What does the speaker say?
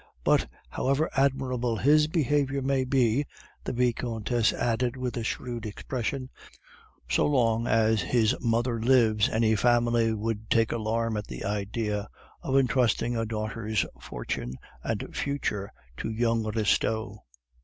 But however admirable his behavior may be," the Vicomtesse added with a shrewd expression, "so long as his mother lives, any family would take alarm at the idea of intrusting a daughter's fortune and future to young Restaud."